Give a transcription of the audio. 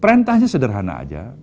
perintahnya sederhana aja